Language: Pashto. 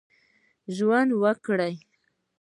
ژوند وکړي.